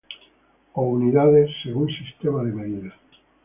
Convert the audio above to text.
O unidades según sistema de medida.